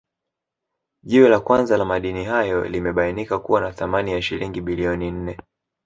Jiwe la kwanza la madini hayo limebainika kuwa na thamani ya shilingi bilioni nne